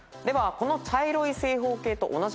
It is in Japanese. この茶色い正方形と同じもの。